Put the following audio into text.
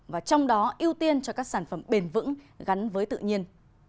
và trong đó ưu tiên cho các sản phẩm bền vững gắn với tự nhiên